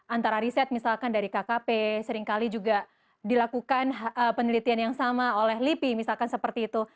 antara riset misalkan dari kkp seringkali juga dilakukan penelitian yang sama oleh lipi misalkan seperti itu